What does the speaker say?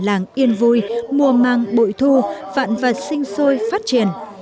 lễ hội xuống đồng yên vui mùa mang bội thu vạn vật sinh sôi phát triển